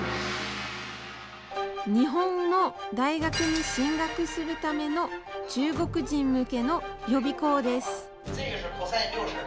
日本の大学に進学するための中国人向けの予備校です。